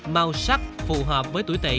màu sắc phù hợp với tuổi thị